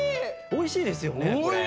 おいしいですよねこれ。